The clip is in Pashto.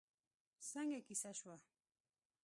څنګه کېسه شوه؟